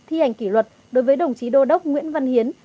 thi hành kỷ luật đối với đồng chí đô đốc nguyễn văn hiến